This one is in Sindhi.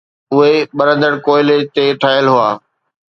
اهي ٻرندڙ ڪوئلي تي ٺهيل هئا.